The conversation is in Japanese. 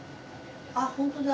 あっ、本当だ。